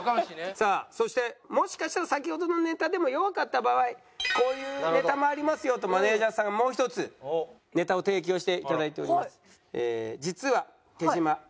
さあそしてもしかしたら先ほどのネタでも弱かった場合こういうネタもありますよとマネージャーさんがもう一つネタを提供して頂いております。